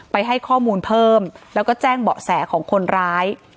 ให้ข้อมูลเพิ่มแล้วก็แจ้งเบาะแสของคนร้าย